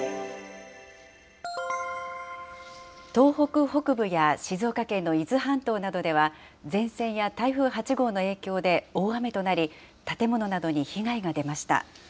東北北部や静岡県の伊豆半島などでは、前線や台風８号の影響で大雨となり、建物などに被害が出ました。